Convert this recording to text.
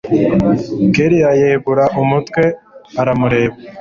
kellia yegura umutwe aramureba